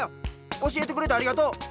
おしえてくれてありがとう！